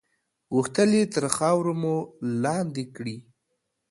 غوښتل یې تر خاورو مو لاندې کړي.